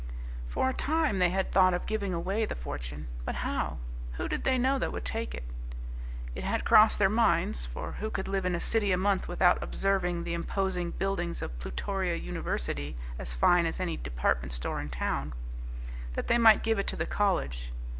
For a time they had thought of giving away the fortune. But how? Who did they know that would take it? It had crossed their minds for who could live in the City a month without observing the imposing buildings of Plutoria University, as fine as any departmental store in town? that they might give it to the college.